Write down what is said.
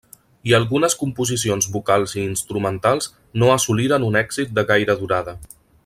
I algunes composicions vocals i instruments no assoliren un èxit de gaire durada.